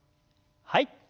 はい。